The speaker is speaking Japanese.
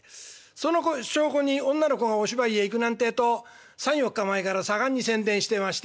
その証拠に女の子がお芝居へ行くなんてえと３４日前から盛んに宣伝してまして。